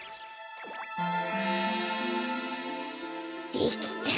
できた！